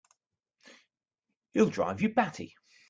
He'll drive you batty!